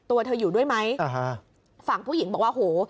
ตัวเธออยู่ด้วยไหมอ่าฮะฝั่งผู้หญิงบอกว่าโห